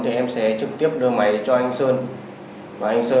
thì em sẽ trực tiếp đưa máy cho anh sơn và anh sơn làm phần còn lại